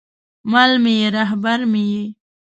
مل مې یې، رهبر مې یې